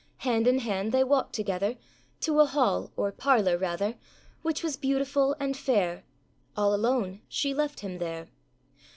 Hand in hand they walked together, To a hall, or parlour, rather, Which was beautiful and fair,â All alone she left him there.